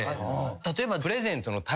例えば。